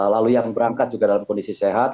lalu yang berangkat juga dalam kondisi sehat